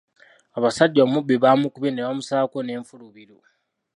Abasajja omubbi baamukubye ne bamusalako n'enfulubiru.